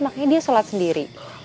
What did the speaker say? makanya dia sholat sendiri